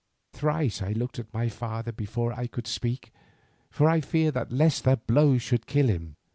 Thrice I looked at my father before I could speak, for I feared lest the blow should kill him.